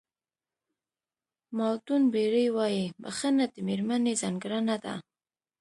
مالټون بېري وایي بښنه د مېرمنې ځانګړنه ده.